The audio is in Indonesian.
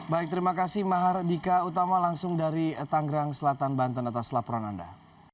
baik terima kasih maha hardika utama langsung dari tangerang selatan banten atas laporan anda